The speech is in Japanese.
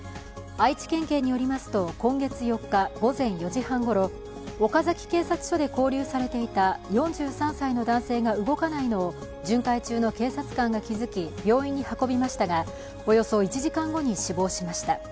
愛知県警によりますと今月４日午前４時半ごろ岡崎警察署で勾留されていた４３歳の男性が動かないのを巡回中の警察官が気付き病院に運びましたがおよそ１時間後に死亡しました。